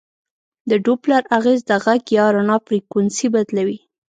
د ډوپلر اغېز د غږ یا رڼا فریکونسي بدلوي.